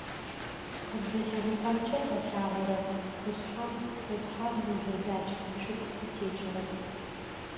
Къыблэ лъэныкъомкӏэ къэлъэгъорэ къушъхьэм ышъхьагъ мыжъо закӏ, чъыг къытекӏэрэп.